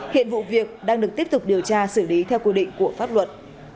hiện vụ việc đang được tiếp tục điều tra xử lý theo quy định của pháp luật